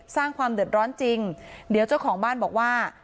สร้างความเดือดร้อนจริงเดี๋ยวเจ้าของบ้านบอกว่า